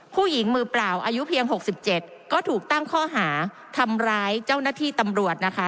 มือเปล่าอายุเพียง๖๗ก็ถูกตั้งข้อหาทำร้ายเจ้าหน้าที่ตำรวจนะคะ